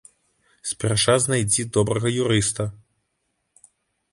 Спярша знайдзі добрага юрыста!